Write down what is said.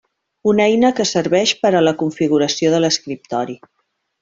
Una eina que serveix per a la configuració de l'escriptori.